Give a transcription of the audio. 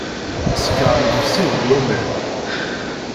Sskeṛ ifessi deg aman.